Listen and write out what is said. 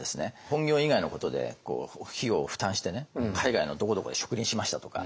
本業以外のことで費用を負担して海外のどこどこで植林しましたとか。